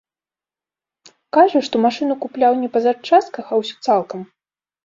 Кажа, што машыну купляў не па запчастках, а ўсю цалкам.